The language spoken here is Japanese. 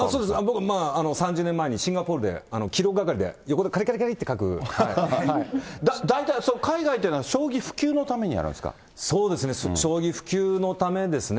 僕、３０年前にシンガポールで、記録係で、大体、海外というのは、将棋そうですね、将棋普及のためですね。